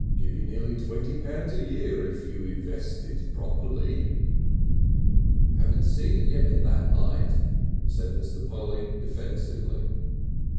Give you nearly twenty pounds a year if you invest it properly." "Haven't seen it yet in that light," said Mr. Polly defensively.